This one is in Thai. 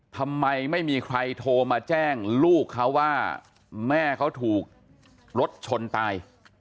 ทำไมไม่มีใครโทรมาแจ้งลูกเขาว่าแม่เขาถูกรถชนตาย